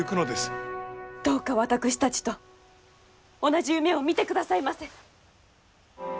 どうか私たちと同じ夢を見てくださいませ。